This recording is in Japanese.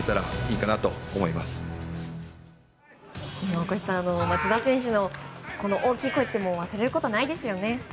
大越さん、松田選手の大きい声って忘れることはないですよね。